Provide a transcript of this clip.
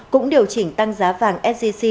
cũng điều chỉnh tăng giá vàng sgc